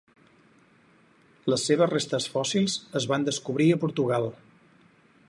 Les seves restes fòssils es van descobrir a Portugal.